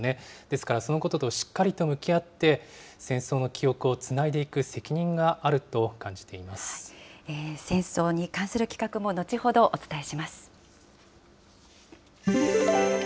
ですから、そのこととしっかり向き合って、戦争の記憶をつないでいく責任が戦争に関する企画も後ほどお伝えします。